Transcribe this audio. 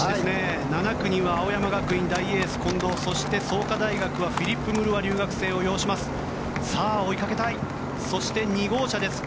７区には青山学院は大エースの近藤そして創価大学はフィリップ・ムルワ留学生を擁します。